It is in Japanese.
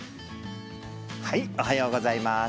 おはようございます。